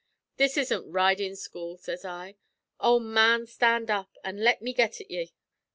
'This isn't ridin' school,' sez I. 'Oh, man, stand up, an' let me get at ye!'